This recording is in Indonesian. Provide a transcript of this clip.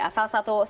asal satu ini